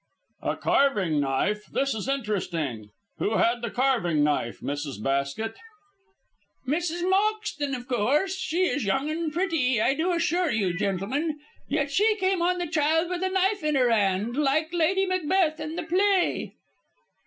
"A carving knife! This is interesting. Who had the carving knife, Mrs. Basket?" "Mrs. Moxton, of course. She is young and pretty, I do assure you, gentlemen, yet she came on the child with a knife in her 'and like Lady Macbeth in the play."